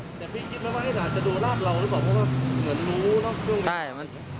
แต่พี่คิดไหมว่าอาจจะดูราบเรารึเปล่าเพราะว่าเหมือนหรูเนอะ